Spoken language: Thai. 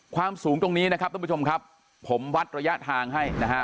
ความสูงตรงนี้นะครับท่านผู้ชมครับผมวัดระยะทางให้นะฮะ